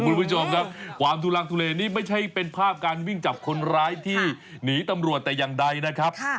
คุณผู้ชมครับความทุลังทุเลนี่ไม่ใช่เป็นภาพการวิ่งจับคนร้ายที่หนีตำรวจแต่อย่างใดนะครับ